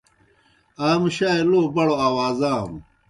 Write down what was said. اسا مُشائےلو بڑوْ اوازانوْ۔